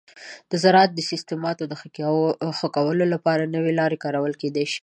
د زراعت د سیستماتو د ښه کولو لپاره نوي لارې کارول کیدی شي.